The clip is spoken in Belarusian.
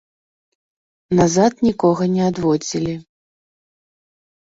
Назад нікога не адводзілі.